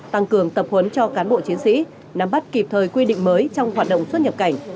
tăng cường tập huấn cho cán bộ chiến sĩ nắm bắt kịp thời quy định mới trong hoạt động xuất nhập cảnh